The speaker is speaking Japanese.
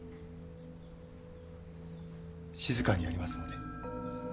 静かにやりますので。